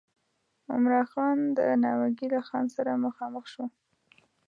عمرا خان د ناوګي له خان سره مخامخ شو.